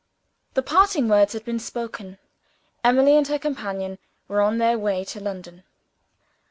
The parting words had been spoken. Emily and her companion were on their way to London.